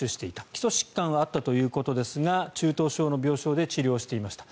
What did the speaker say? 基礎疾患はあったということですが中等症の病床で治療をしていました。